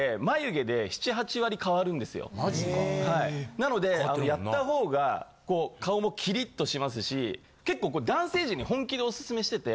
なのでやった方がこう顔もキリっとしますし結構こう男性陣に本気でオススメしてて。